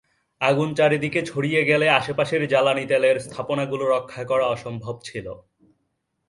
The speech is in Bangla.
আগুন চারদিকে ছড়িয়ে গেলে আশপাশের জ্বালানি তেলের স্থাপনাগুলো রক্ষা করা অসম্ভব ছিল।